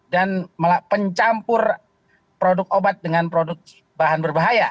dan malah pencampur produk obat dengan produk bahan berbahaya